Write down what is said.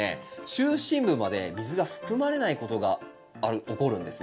中心部まで水が含まれないことが起こるんですね。